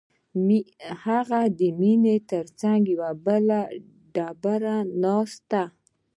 هغه د مينې څنګ ته په بله ډبره کښېناست.